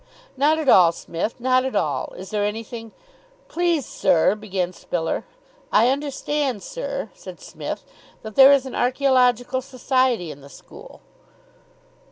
"Not at all, Smith, not at all. Is there anything " "Please, sir " began Spiller. "I understand, sir," said Psmith, "that there is an Archaeological Society in the school."